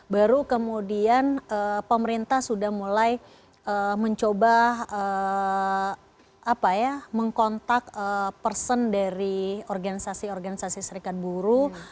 baru kemudian pemerintah sudah mulai mencoba mengkontak person dari organisasi organisasi serikat buruh